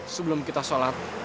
sebelum kita sholat